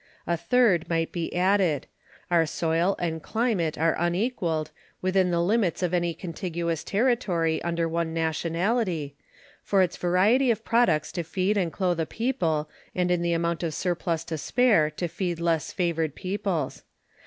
A third might be added: Our soil and climate are unequaled, within the limits of any contiguous territory under one nationality, for its variety of products to feed and clothe a people and in the amount of surplus to spare to feed less favored peoples.